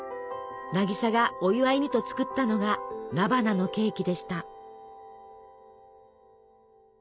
渚がお祝いにと作ったのが菜花のケーキでした。